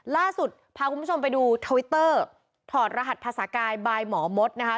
ล่าสุดพาคุณผู้ชมไปดูทวิตเตอร์ถอดรหัสภาษากายบายหมอมดนะคะ